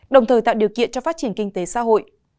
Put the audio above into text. đồng thời tạo điều kiện cho phát triển kinh tế xã hội